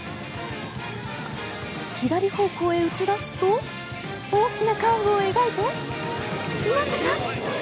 左方向へ打ち出すと大きなカーブを描いてまさか。